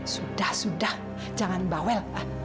sudah sudah jangan bawel